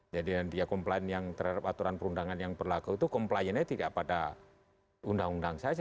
jadi dia komplain yang terhadap aturan perundangan yang berlaku itu komplainnya tidak pada undang undang saja